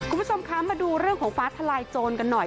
คุณผู้ชมคะมาดูเรื่องของฟ้าทลายโจรกันหน่อย